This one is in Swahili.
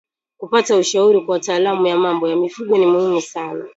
Kupata ushauri kwa wataalamu ya mambo ya mifugo ni muhimu sana